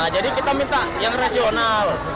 jadi kita minta yang rasional